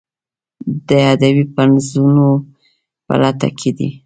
د ادبي پنځونو په لټه کې دي.